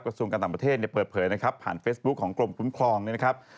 กระทรวงการต่างประเทศเปิดเผยนะครับผ่านเฟสบุ๊คของกลมคุ้มครองนะครับ